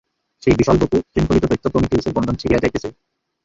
সেই বিশালবপু শৃঙ্খলিত দৈত্য প্রমিথিউসের বন্ধন ছিঁড়িয়া যাইতেছে।